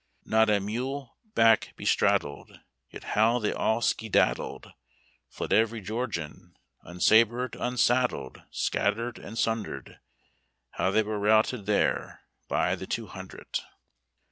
Not a mule back bestraddled, Yet how they all skedaddled — Fled every Georgian, Unsabred, unsaddled, Scattered and sundered! How they were routed there By the two hundred